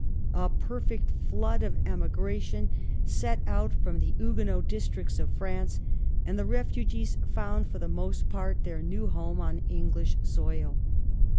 A perfect flood of emigration set out from the Huguenot districts of France, and the refugees found for the most part their new home on EngUsh soil.